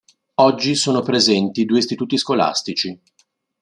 Oggi sono presenti due istituti scolastici.